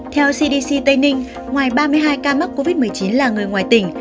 theo cdc tây ninh ngoài ba mươi hai ca mắc covid một mươi chín là người ngoài tỉnh